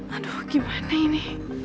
aduh gimana ini